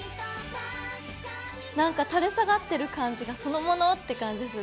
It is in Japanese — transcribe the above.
なんか垂れ下がってる感じがそのものって感じする。